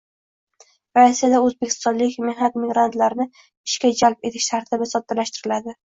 Rossiyada o‘zbekistonlik mehnat migrantlarini ishga jalb etish tartibi soddalashtiriladi